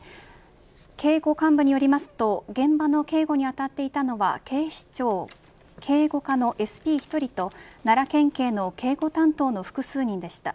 警護幹部によりますと現場の警護にあたっていたのは警視庁警護課のＳＰ１人と奈良県警の警護担当の複数人でした。